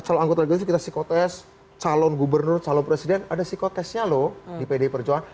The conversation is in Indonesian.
calon anggota legis kita psikotest calon gubernur calon presiden ada psikotestnya loh di pdi perjuangan